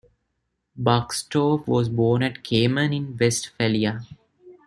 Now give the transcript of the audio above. Buxtorf was born at Kamen in Westphalia.